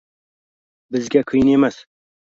Bizga qiyin emas